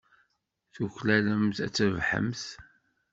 Tuklalemt ad trebḥemt.